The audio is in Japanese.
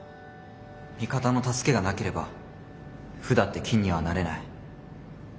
味方の助けがなければ歩だって金にはなれない。